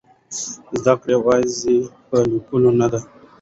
زده کړه یوازې په لیکلو نه ده.